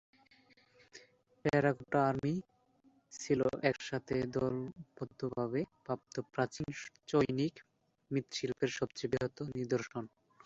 Terracotta army ছিল একসাথে দলবদ্ধভাবে প্রাপ্ত প্রাচীন চৈনিক মৃৎশিল্পের সবচেয়ে বৃহৎ নিদর্শন।